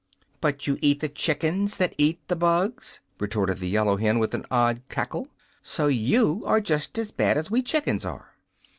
"But you eat the chickens that eat the bugs," retorted the yellow hen, with an odd cackle. "So you are just as bad as we chickens are."